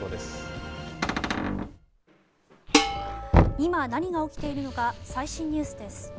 今、何が起きているのか最新ニュースです。